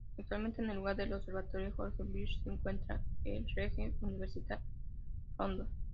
Actualmente, en el lugar del observatorio George Bishop se encuentra el Regent's University London.